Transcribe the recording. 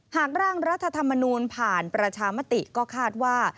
หากร่างรัฐธรรมนูลผ่านประชามติก็คาดว่า